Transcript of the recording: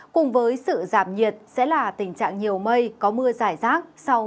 cùng với sự giảm nhiệt sẽ là tình trạng nhiều mây có mưa giải rác